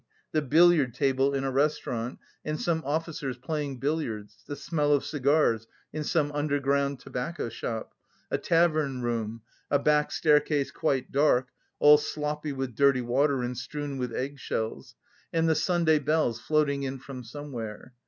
the billiard table in a restaurant and some officers playing billiards, the smell of cigars in some underground tobacco shop, a tavern room, a back staircase quite dark, all sloppy with dirty water and strewn with egg shells, and the Sunday bells floating in from somewhere....